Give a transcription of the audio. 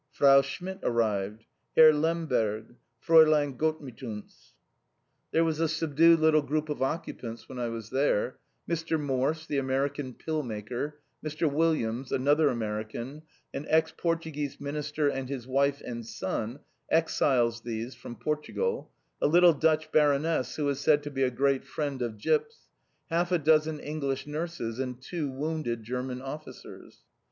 Frau Schmidt arrived; Herr Lemberg; Fräulein Gottmituns. There was a subdued little group of occupants when I was there; Mr. Morse, the American pill maker, Mr. Williams, another American, an ex Portuguese Minister and his wife and son (exiles these from Portugal), a little Dutch Baroness who was said to be a great friend of Gyp's, half a dozen English nurses and two wounded German officers.